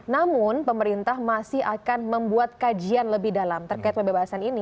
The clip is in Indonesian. namun pemerintah masih akan membuat kajian lebih dalam terkait pembebasan ini